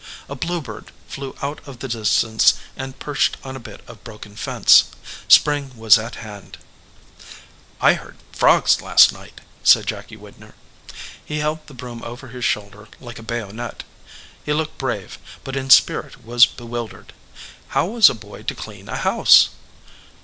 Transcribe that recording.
A bluebird flew out of the distance and perched on a bit of broken fence. Spring was at hand. 34 THE OLD MAN OF THE FIELD "I heard frogs last night," said Jacky Widner. He held the broom over his shoulder like a bay onet. He looked brave, but in spirit was bewil dered. How was a boy to clean a house